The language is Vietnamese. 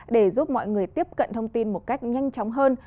để giúp mọi người tiếp cận thông tin một cách nhanh chóng hơn